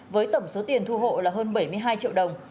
với tổng số tiền thu hộ là hơn bảy mươi hai triệu đồng